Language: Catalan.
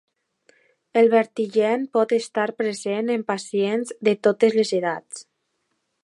El vertigen pot estar present en pacients de totes les edats.